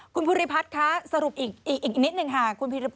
คุณภุริพัทธ์คะสรุปอีกนิดหนึ่งค่ะ